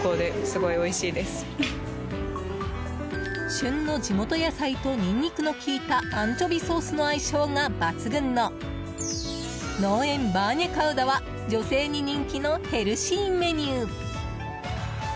旬の地元野菜とニンニクの効いたアンチョビソースの相性が抜群の農園バーニャカウダは女性に人気のヘルシーメニュー。